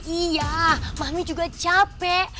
iya mami juga capek